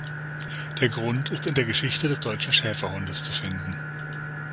Der Grund ist in der Geschichte des Deutschen Schäferhundes zu finden.